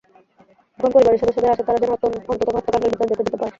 এখন পরিবারের সদস্যদের আশা, তাঁরা যেন অন্তত হত্যাকাণ্ডের বিচার দেখে যেতে পারেন।